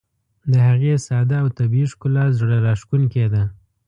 د هغې ساده او طبیعي ښکلا زړه راښکونکې ده.